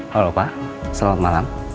halo pa selamat malam